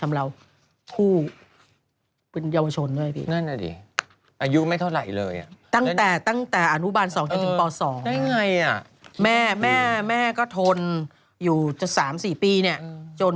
ผมให้พี่ดูผมให้พี่ดูขนาดไหน